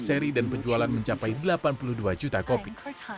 seri dan penjualan mencapai delapan puluh dua juta kopi